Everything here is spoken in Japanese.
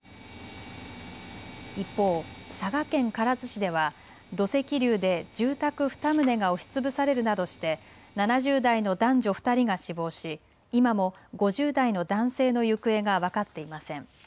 一方、佐賀県唐津市では土石流で住宅２棟が押しつぶされるなどして７０代の男女２人が死亡し今も５０代の男性の行方が分かっていません。